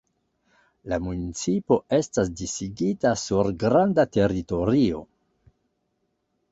La municipo estas disigita sur granda teritorio.